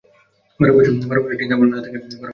বার বছরের চিন্তা আমার মাথা থেকে নামল।